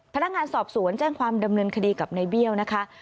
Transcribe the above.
พนักงานสอบสวนแจ้งความดำเนินคดีกับในเบี้ยวนะคะ